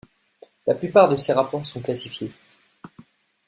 La plupart de ses rapports sont classifiés.